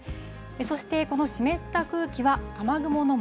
そして、この湿った空気は雨雲の